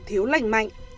thiếu lành mạnh